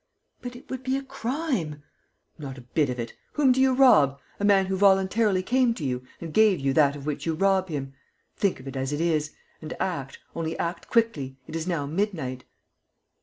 "But it would be a crime." "Not a bit of it. Whom do you rob? A man who voluntarily came to you, and gave you that of which you rob him. Think of it as it is and act, only act quickly. It is now midnight."